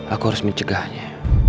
aku harus mencegahnya